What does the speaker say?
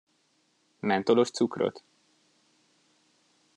Mentolos cukrot?